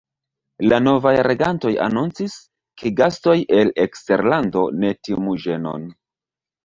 La novaj regantoj anoncis, ke gastoj el eksterlando ne timu ĝenon.